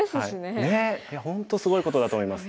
ねえいや本当すごいことだと思います。